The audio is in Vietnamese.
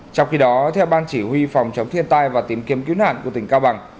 trong khi đó theo ban chỉ huy phòng chống thiên tai và tìm kiếm cứu nạn của tỉnh cao bằng